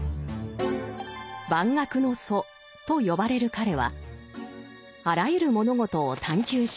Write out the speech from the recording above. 「万学の祖」と呼ばれる彼はあらゆる物事を探求しました。